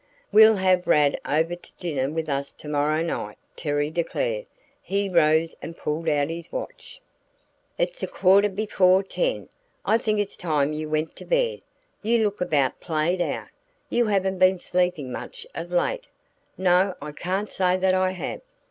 "We'll have Rad over to dinner with us tomorrow night," Terry declared. He rose and pulled out his watch. "It's a quarter before ten. I think it's time you went to bed. You look about played out. You haven't been sleeping much of late?" "No, I can't say that I have."